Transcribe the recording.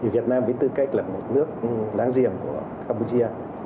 việt nam với tư cách là một nước láng giềng của campuchia